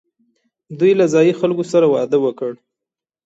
دوی له ځايي خلکو سره واده وکړ